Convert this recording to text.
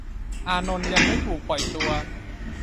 อานนท์ยังไม่ถูกปล่อยตัว